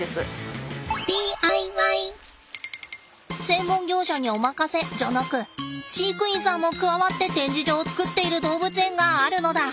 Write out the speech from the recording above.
専門業者にお任せじゃなく飼育員さんも加わって展示場を作っている動物園があるのだ！